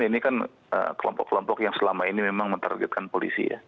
ini kan kelompok kelompok yang selama ini memang mentargetkan polisi ya